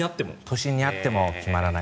都心にあっても決まらない。